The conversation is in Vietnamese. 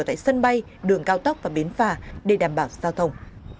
tại sân bay đường cao tốc và bến phà để đảm bảo giao thông